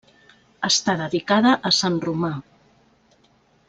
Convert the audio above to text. Està dedicada a Sant Romà.